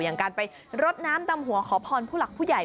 อย่างการไปรดน้ำดำหัวขอพรผู้หลักผู้ใหญ่